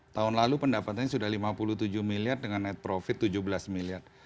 tahun lalu pendapatannya sudah lima puluh tujuh miliar dengan net profit tujuh belas miliar